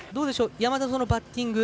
山田のバッティング。